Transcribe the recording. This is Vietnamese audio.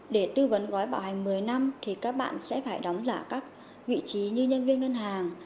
để tư vấn gói bảo hành một mươi năm thì các bạn sẽ phải đóng giả các vị trí như nhân viên ngân hàng